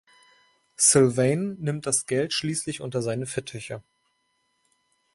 Sylvain nimmt das Geld schließlich unter seine Fittiche.